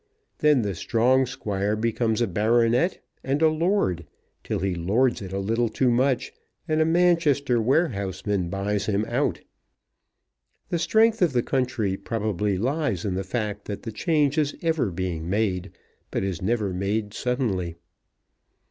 Then the strong squire becomes a baronet and a lord, till he lords it a little too much, and a Manchester warehouseman buys him out. The strength of the country probably lies in the fact that the change is ever being made, but is never made suddenly.